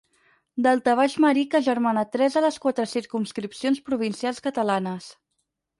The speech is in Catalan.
Daltabaix marí que agermana tres de les quatre circumscripcions provincials catalanes.